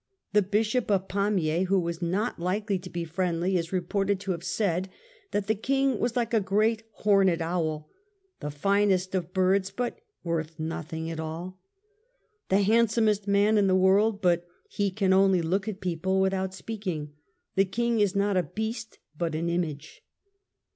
The Bishop of Pamiers, who was not hkely to be friendly, is reported to have said that the King was like a great horned owl, " the finest of birds but worth nothing at all," " the handsomest man in the world but he can only look at people without speaking," " the King is not a beast, but an image".